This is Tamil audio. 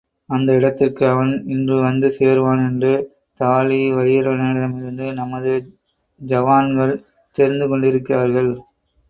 அந்த இடத்திற்கு அவன் இன்று வந்து சேருவான் என்று தாழிவயிறனிடமிருந்து நமது ஜவான்கள் தெரிந்து கொண்டிருக்கிறார்கள்.